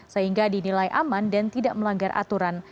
sehingga dinilai aman dan tidak melanggar aturan